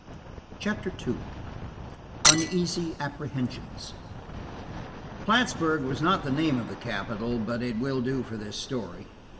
CHAPTER II UNEASY APPREHENSIONS PLATTSBURG was not the name of the capital, but it will do for this story.